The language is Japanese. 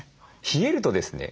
冷えるとですね